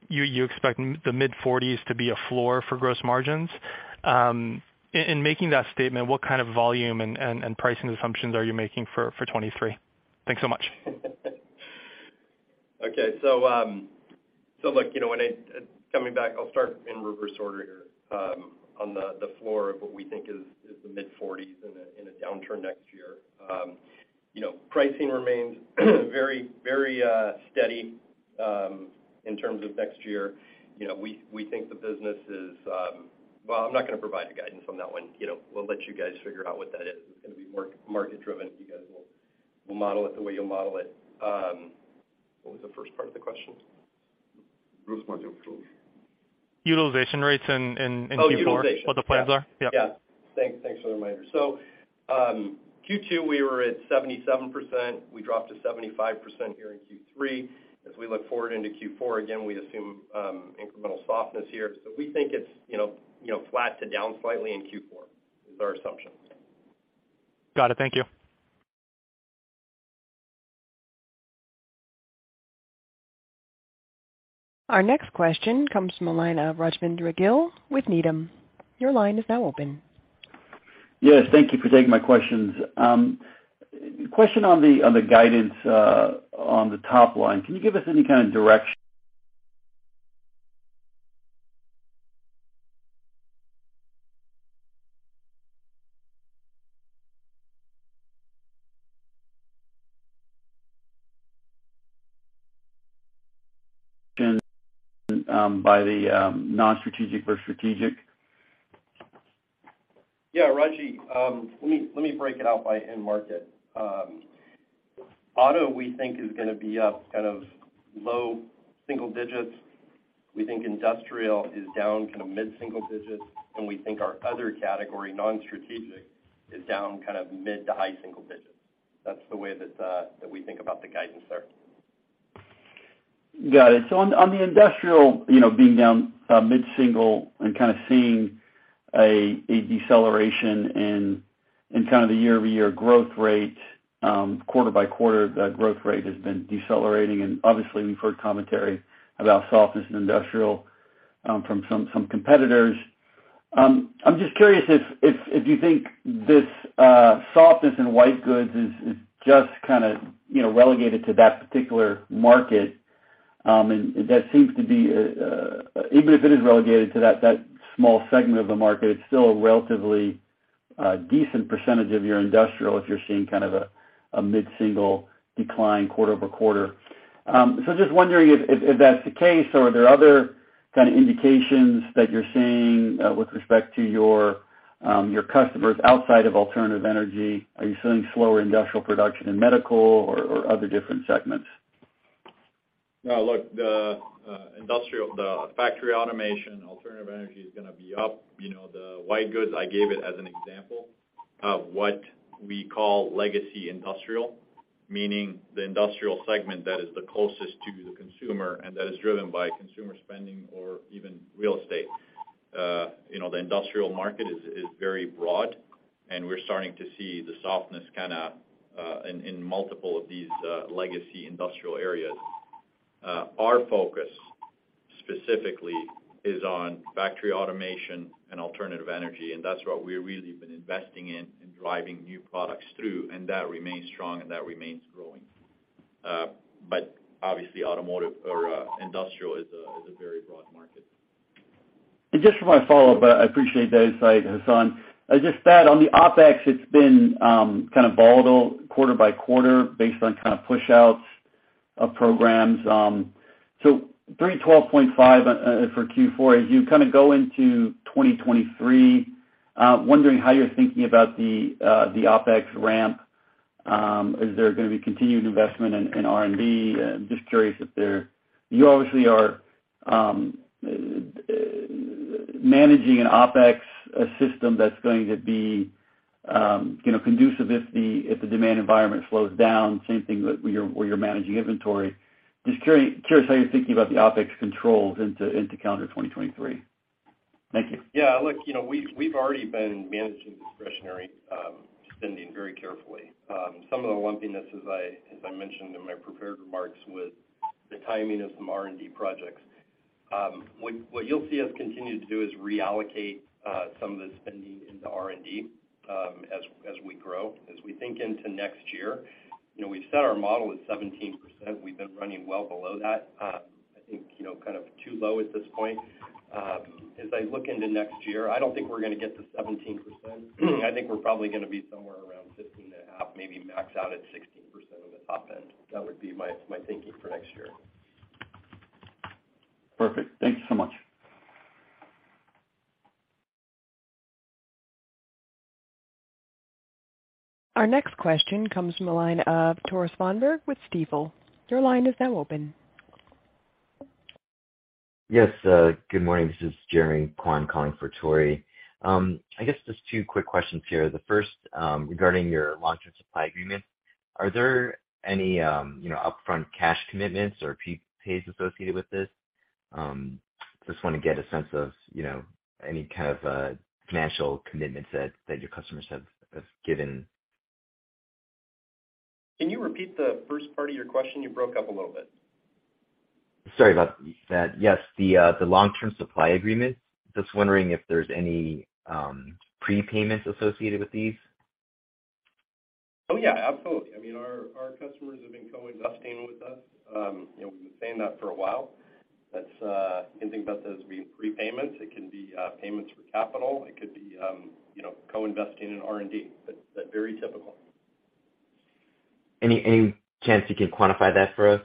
you expect the mid-forties to be a floor for gross margins. In making that statement, what kind of volume and pricing assumptions are you making for 2023? Thanks so much. Okay. Look, you know, coming back, I'll start in reverse order here, on the floor of what we think is the mid-40s% in a downturn next year. You know, pricing remains very steady in terms of next year. You know, we think the business is. Well, I'm not gonna provide the guidance on that one. You know, we'll let you guys figure out what that is. It's gonna be more market-driven. You guys will model it the way you model it. What was the first part of the question? Gross margin, of course. Utilization rates in Q4- Oh, utilization. what the plans are. Yeah. Yeah. Yeah. Thanks for the reminder. Q2, we were at 77%. We dropped to 75% here in Q3. As we look forward into Q4, again, we assume incremental softness here, but we think it's, you know, flat to down slightly in Q4 is our assumption. Got it. Thank you. Our next question comes from the line of Rajvindra Gill with Needham. Your line is now open. Yes, thank you for taking my questions. Question on the guidance on the top line. Can you give us any kind of direction by the non-strategic versus strategic? Yeah, Raji, let me break it out by end market. Auto, we think, is gonna be up kind of low single digits. We think industrial is down kind of mid-single digits, and we think our other category, non-strategic, is down kind of mid to high single digits. That's the way that we think about the guidance there. Got it. On the industrial, you know, being down mid-single and kind of seeing a deceleration in kind of the year-over-year growth rate quarter by quarter, the growth rate has been decelerating. Obviously, we've heard commentary about softness in industrial from some competitors. I'm just curious if you think this softness in white goods is just kinda, you know, relegated to that particular market, and that seems to be even if it is relegated to that small segment of the market, it's still a relatively decent percentage of your industrial if you're seeing kind of a mid-single decline quarter-over-quarter. Just wondering if that's the case, or are there other kind of indications that you're seeing with respect to your customers outside of alternative energy? Are you seeing slower industrial production in medical or other different segments? No. Look, the industrial, the factory automation, alternative energy is gonna be up. You know, the white goods, I gave it as an example of what we call legacy industrial, meaning the industrial segment that is the closest to the consumer and that is driven by consumer spending or even real estate. You know, the industrial market is very broad, and we're starting to see the softness kinda in multiple of these legacy industrial areas. Our focus specifically is on factory automation and alternative energy, and that's what we really have been investing in driving new products through, and that remains strong and that remains growing. Obviously automotive or industrial is a very broad market. Just for my follow-up, I appreciate the insight, Hassane. Just that on the OpEx, it's been kind of volatile quarter by quarter based on kind of pushouts of programs. $312.5 for Q4, as you kind of go into 2023, wondering how you're thinking about the OpEx ramp. Is there gonna be continued investment in R&D? Just curious if you obviously are managing an OpEx system that's going to be you know, conducive if the demand environment slows down, same thing with where you're managing inventory. Just curious how you're thinking about the OpEx controls into calendar 2023. Thank you. Yeah. Look, you know, we've already been managing discretionary spending very carefully. Some of the lumpiness, as I mentioned in my prepared remarks, was the timing of some R&D projects. What you'll see us continue to do is reallocate some of the spending into R&D as we grow. As we think into next year, you know, we've set our model at 17%. We've been running well below that. I think, you know, kind of too low at this point. As I look into next year, I don't think we're gonna get to 17%. I think we're probably gonna be somewhere around 15.5%, maybe max out at 16% on the top end. That would be my thinking for next year. Perfect. Thank you so much. Our next question comes from the line of Tore Svanberg with Stifel. Your line is now open. Yes. Good morning. This is Jerry Kwan calling for Tore. I guess just two quick questions here. The first, regarding your long-term supply agreement, are there any, you know, upfront cash commitments or pre-pays associated with this? Just wanna get a sense of, you know, any kind of financial commitments that your customers have given. Can you repeat the first part of your question? You broke up a little bit. Sorry about that. Yes. The Long-Term Supply Agreement, just wondering if there's any prepayments associated with these. Oh, yeah, absolutely. I mean, our customers have been co-investing with us. You know, we've been saying that for a while. That's you can think about that as being prepayments. It can be payments for capital. It could be, you know, co-investing in R&D. That's very typical. Any chance you can quantify that for us?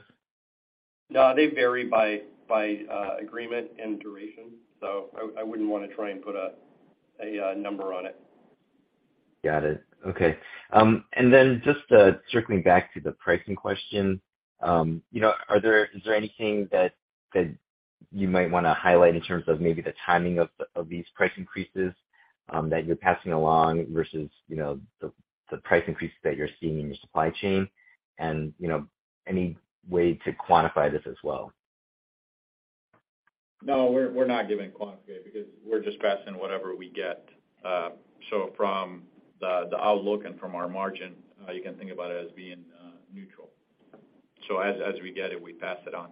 No. They vary by agreement and duration, so I wouldn't wanna try and put a number on it. Got it. Okay. Just circling back to the pricing question, you know, is there anything that you might wanna highlight in terms of maybe the timing of these price increases that you're passing along versus, you know, the price increases that you're seeing in your supply chain? You know, any way to quantify this as well? No, we're not giving quantifying because we're just passing whatever we get. From the outlook and from our margin, you can think about it as being neutral. As we get it, we pass it on.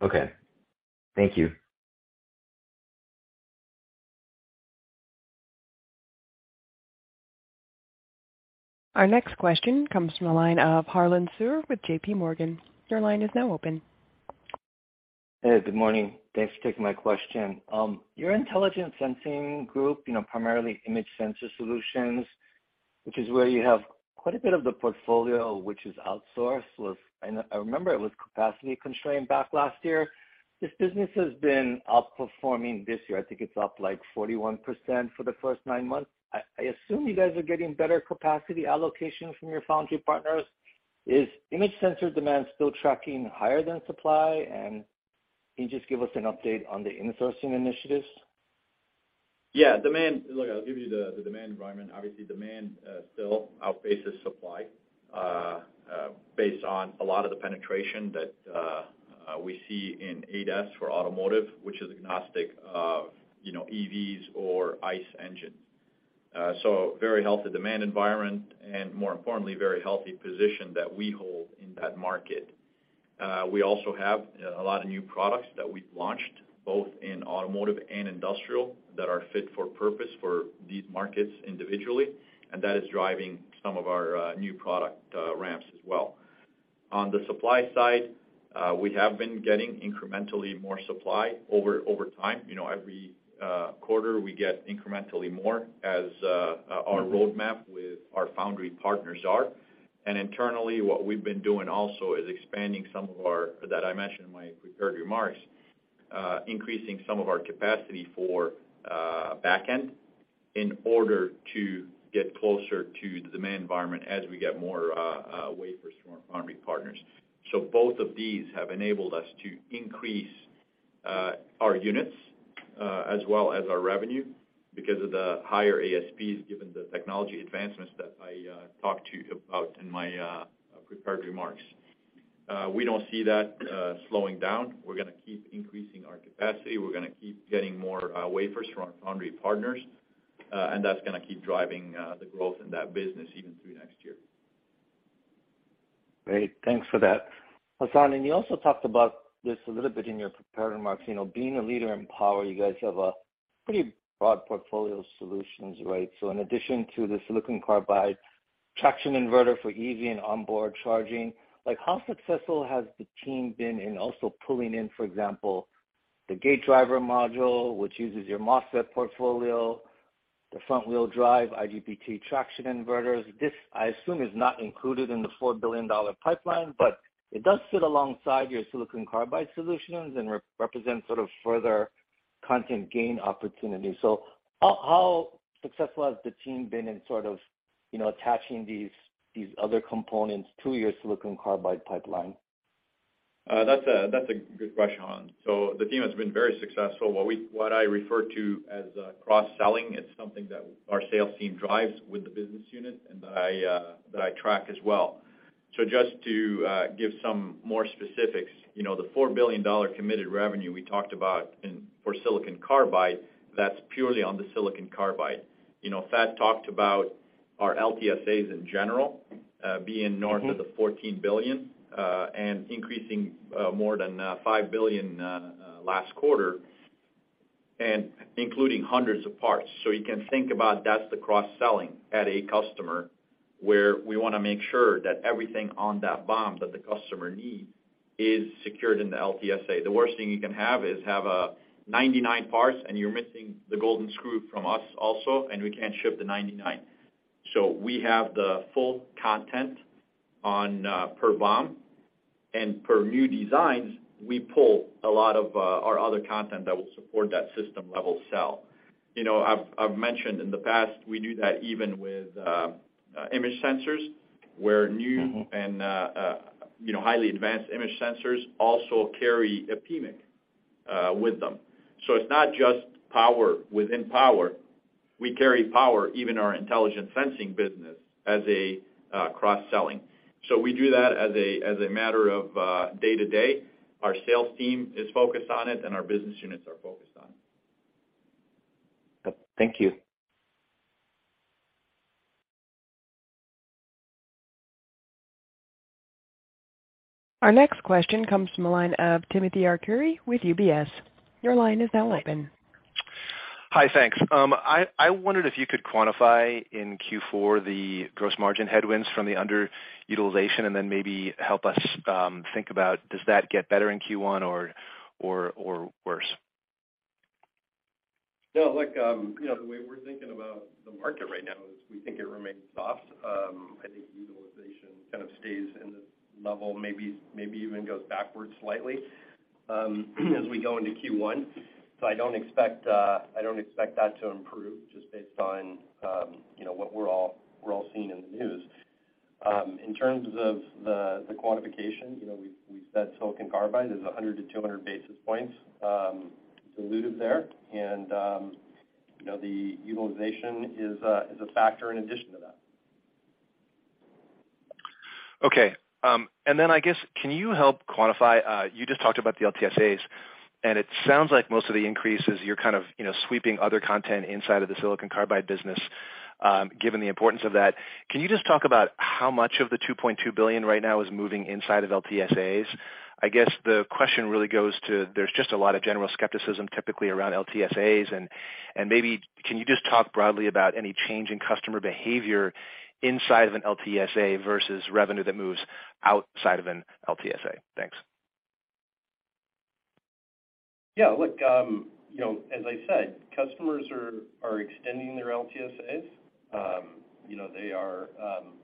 Okay. Thank you. Our next question comes from the line of Harlan Sur with JPMorgan. Your line is now open. Hey, good morning. Thanks for taking my question. Your Intelligent Sensing Group, you know, primarily image sensor solutions, which is where you have quite a bit of the portfolio which is outsourced. I remember it was capacity constrained back last year. This business has been outperforming this year. I think it's up, like, 41% for the first nine months. I assume you guys are getting better capacity allocation from your foundry partners. Is image sensor demand still tracking higher than supply? Can you just give us an update on the insourcing initiatives? Yeah. Look, I'll give you the demand environment. Obviously, demand still outpaces supply based on a lot of the penetration that we see in ADAS for automotive, which is agnostic of, you know, EVs or ICE engines. So very healthy demand environment and more importantly, very healthy position that we hold in that market. We also have a lot of new products that we've launched, both in automotive and industrial, that are fit for purpose for these markets individually, and that is driving some of our new product ramps as well. On the supply side, we have been getting incrementally more supply over time. You know, every quarter, we get incrementally more as our roadmap with our foundry partners are. Internally, what we've been doing also is expanding that I mentioned in my prepared remarks, increasing some of our capacity for backend in order to get closer to the demand environment as we get more wafers from our foundry partners. Both of these have enabled us to increase our units as well as our revenue because of the higher ASPs given the technology advancements that I talked to you about in my prepared remarks. We don't see that slowing down. We're gonna keep increasing our capacity. We're gonna keep getting more wafers from our foundry partners. That's gonna keep driving the growth in that business even through next year. Great. Thanks for that. Hassane, you also talked about this a little bit in your prepared remarks. You know, being a leader in power, you guys have a pretty broad portfolio of solutions, right? In addition to the silicon carbide traction inverter for EV and onboard charging, like how successful has the team been in also pulling in, for example, the gate driver module, which uses your MOSFET portfolio, the front-wheel drive IGBT traction inverters? This, I assume, is not included in the $4 billion pipeline, but it does sit alongside your silicon carbide solutions and represents sort of further content gain opportunity. How successful has the team been in sort of, you know, attaching these other components to your silicon carbide pipeline? That's a good question, Harlan. The team has been very successful. What I refer to as cross-selling, it's something that our sales team drives with the business unit and that I track as well. Just to give some more specifics, you know, the $4 billion committed revenue we talked about in—for silicon carbide, that's purely on the silicon carbide. You know, Thad talked about our LTSAs in general, being north- Mm-hmm of the $14 billion and increasing more than $5 billion last quarter and including hundreds of parts. You can think about that's the cross-selling at a customer, where we wanna make sure that everything on that BOM that the customer need is secured in the LTSA. The worst thing you can have is 99 parts and you're missing the golden screw from us also, and we can't ship the 99. We have the full content on per BOM. Per new designs, we pull a lot of our other content that will support that system-level sell. You know, I've mentioned in the past we do that even with image sensors, where new Mm-hmm You know, highly advanced image sensors also carry a PMIC with them. It's not just power within power. We carry power, even our intelligent sensing business, as a cross-selling. We do that as a matter of day-to-day. Our sales team is focused on it and our business units are focused on it. Thank you. Our next question comes from the line of Timothy Arcuri with UBS. Your line is now open. Hi. Thanks. I wondered if you could quantify in Q4 the gross margin headwinds from the underutilization and then maybe help us think about does that get better in Q1 or worse? No, look, you know, the way we're thinking about the market right now is we think it remains soft. I think utilization kind of stays in the level, maybe even goes backwards slightly, as we go into Q1. I don't expect that to improve just based on, you know, what we're all seeing in the news. In terms of the quantification, you know, we said silicon carbide is 100-200 basis points, diluted there. You know, the utilization is a factor in addition to that. Okay. I guess can you help quantify? You just talked about the LTSAs, and it sounds like most of the increases, you're kind of, you know, sweeping other content inside of the silicon carbide business, given the importance of that. Can you just talk about how much of the $2.2 billion right now is moving inside of LTSAs? I guess the question really goes to there's just a lot of general skepticism typically around LTSAs, and maybe can you just talk broadly about any change in customer behavior inside of an LTSA versus revenue that moves outside of an LTSA? Thanks. Yeah. Look, you know, as I said, customers are extending their LTSAs. You know, they are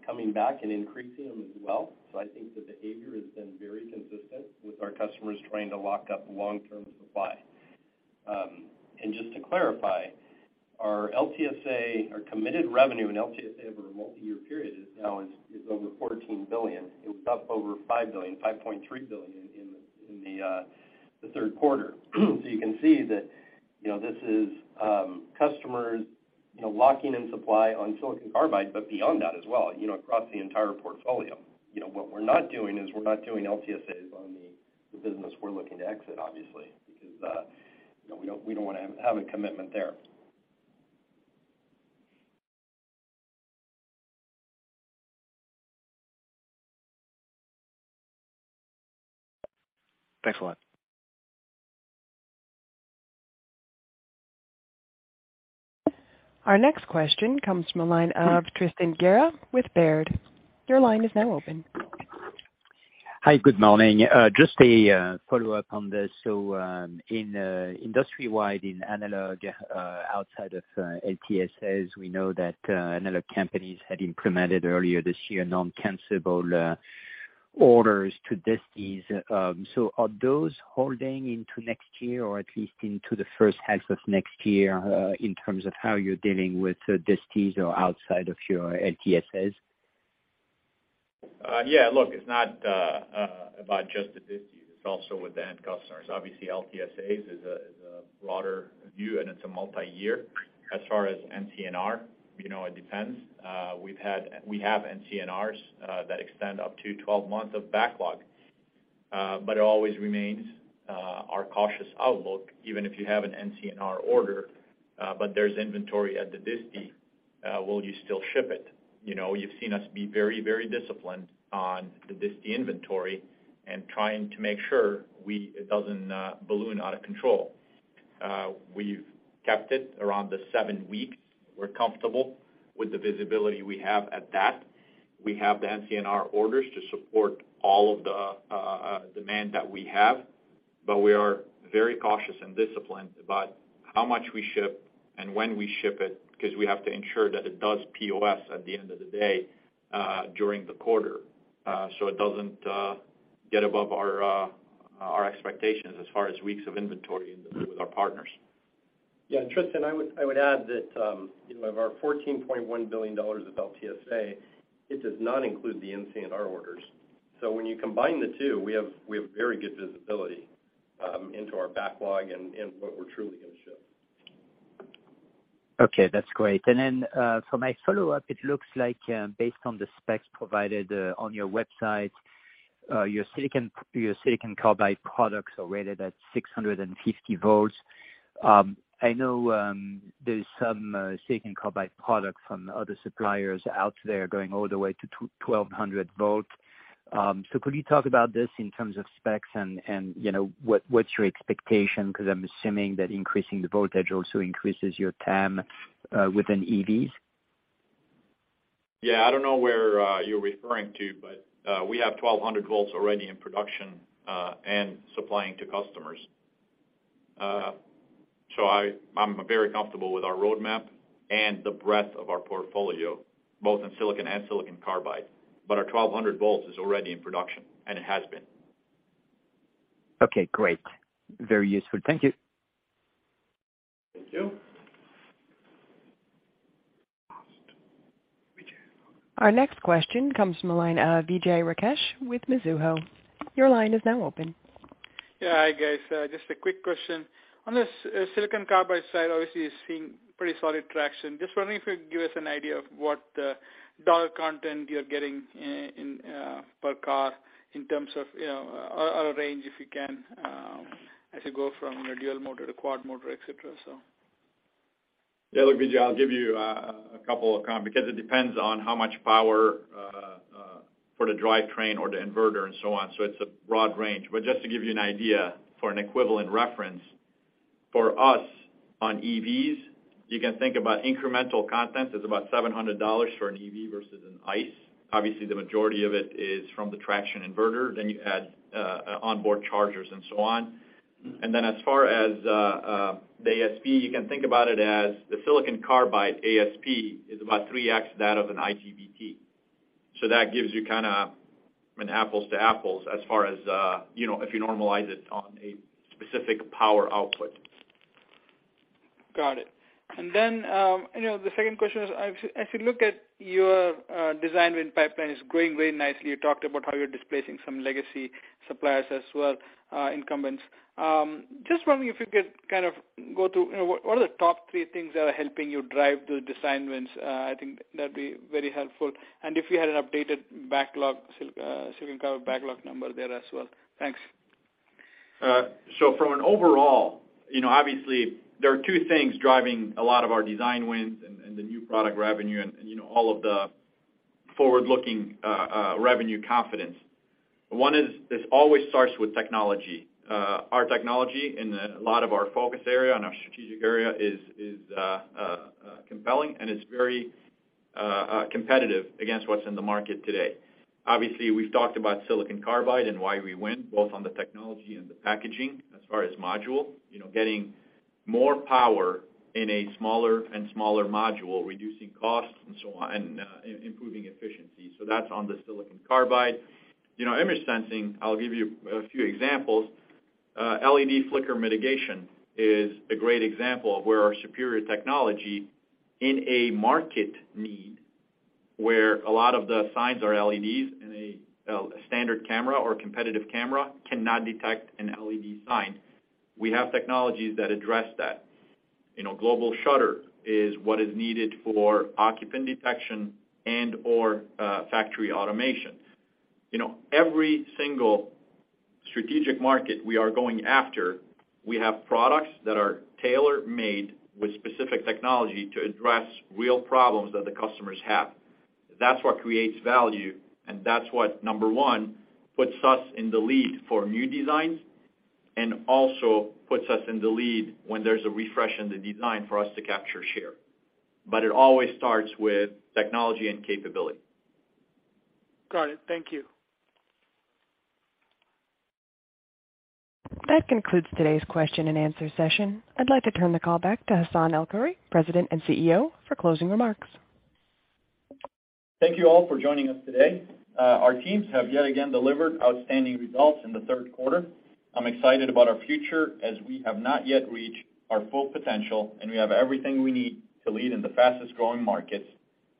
coming back and increasing them as well. I think the behavior has been very consistent with our customers trying to lock up long-term supply. Just to clarify, our LTSA, our committed revenue in LTSA over a multiyear period is now over $14 billion. It was up over $5 billion, $5.3 billion in the third quarter. You can see that, you know, this is customers you know locking in supply on silicon carbide, but beyond that as well, you know, across the entire portfolio. What we're not doing is we're not doing LTSAs on the business we're looking to exit, obviously, because you know, we don't wanna have a commitment there. Thanks a lot. Our next question comes from a line of Tristan Gerra with Baird. Your line is now open. Hi. Good morning. Just a follow-up on this. In industry-wide in analog, outside of LTSAs, we know that analog companies had implemented earlier this year non-cancelable orders to distis. Are those holding into next year or at least into the first half of next year, in terms of how you're dealing with distis or outside of your LTSAs? Yeah. Look, it's not about just the disti, it's also with the end customers. Obviously, LTSAs is a broader view, and it's a multiyear. As far as NCNR, you know, it depends. We have NCNRs that extend up to 12 months of backlog, but it always remains our cautious outlook, even if you have an NCNR order, but there's inventory at the disty, will you still ship it? You know, you've seen us be very, very disciplined on the disty inventory and trying to make sure it doesn't balloon out of control. We've kept it around the seven weeks. We're comfortable with the visibility we have at that. We have the NCNR orders to support all of the demand that we have, but we are very cautious and disciplined about how much we ship and when we ship it, 'cause we have to ensure that it does POS at the end of the day during the quarter, so it doesn't get above our expectations as far as weeks of inventory with our partners. Yeah, Tristan, I would add that, you know, of our $14.1 billion of LTSA, it does not include the NCNR orders. When you combine the two, we have very good visibility into our backlog and what we're truly gonna ship. Okay, that's great. For my follow-up, it looks like, based on the specs provided, on your website, your silicon carbide products are rated at 650 volts. I know, there's some silicon carbide products from other suppliers out there going all the way to 1200 volt. Could you talk about this in terms of specs and, you know, what's your expectation? 'Cause I'm assuming that increasing the voltage also increases your TAM, within EVs. Yeah, I don't know where you're referring to, but we have 1,200 volts already in production and supplying to customers. I'm very comfortable with our roadmap and the breadth of our portfolio, both in silicon and silicon carbide. Our 1,200 volts is already in production, and it has been. Okay, great. Very useful. Thank you. Thank you. Our next question comes from the line of Vijay Rakesh with Mizuho. Your line is now open. Yeah, hi guys. Just a quick question. On the silicon carbide side, obviously it's seeing pretty solid traction. Just wondering if you could give us an idea of what dollar content you're getting in per car in terms of, you know, or a range if you can, as you go from a dual motor to quad motor, et cetera. Yeah, look, Vijay, I'll give you a couple, because it depends on how much power for the drivetrain or the inverter and so on, so it's a broad range. Just to give you an idea for an equivalent reference, for us on EVs, you can think about incremental content is about $700 for an EV versus an ICE. Obviously, the majority of it is from the traction inverter. You add onboard chargers and so on. As far as the ASP, you can think about it as the silicon carbide ASP is about 3x that of an IGBT. That gives you kinda an apples to apples as far as, you know, if you normalize it on a specific power output. Got it. The second question is, as you look at your design win pipeline is growing very nicely. You talked about how you're displacing some legacy suppliers as well, incumbents. Just wondering if you could kind of go through, you know, what are the top three things that are helping you drive the design wins? I think that'd be very helpful. If you had an updated backlog, silicon carbide backlog number there as well. Thanks. From an overall, you know, obviously there are two things driving a lot of our design wins and the new product revenue and you know, all of the forward-looking revenue confidence. One is this always starts with technology. Our technology in a lot of our focus area and our strategic area is compelling, and it's very competitive against what's in the market today. Obviously, we've talked about silicon carbide and why we win, both on the technology and the packaging as far as module. You know, getting more power in a smaller and smaller module, reducing costs and so on, improving efficiency. That's on the silicon carbide. You know, image sensing, I'll give you a few examples. LED flicker mitigation is a great example of where our superior technology meets a market need, where a lot of the signs are LEDs in a standard camera or competitive camera cannot detect an LED sign. We have technologies that address that. You know, global shutter is what is needed for occupant detection and/or factory automation. You know, every single strategic market we are going after, we have products that are tailor-made with specific technology to address real problems that the customers have. That's what creates value, and that's what, number one, puts us in the lead for new designs and also puts us in the lead when there's a refresh in the design for us to capture share. But it always starts with technology and capability. Got it. Thank you. That concludes today's question and answer session. I'd like to turn the call back to Hassane El-Khoury, President and CEO, for closing remarks. Thank you all for joining us today. Our teams have yet again delivered outstanding results in the third quarter. I'm excited about our future, as we have not yet reached our full potential, and we have everything we need to lead in the fastest-growing markets.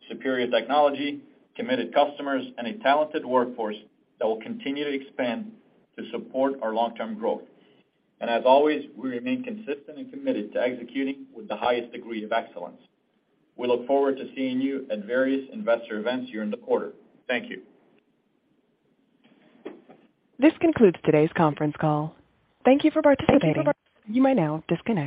Superior technology, committed customers, and a talented workforce that will continue to expand to support our long-term growth. As always, we remain consistent and committed to executing with the highest degree of excellence. We look forward to seeing you at various investor events here in the quarter. Thank you. This concludes today's conference call. Thank you for participating. You may now disconnect.